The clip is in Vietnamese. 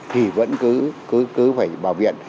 thì vẫn cứ phải vào viện